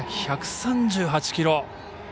１３８キロ。